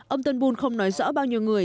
ông turnbull không nói rõ bao nhiêu người